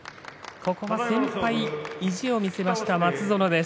ここは先輩の意地を見せました松園です。